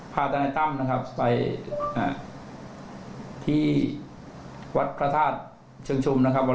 ทนายตั้มนะครับไปที่วัดพระธาตุเชิงชุมนะครับ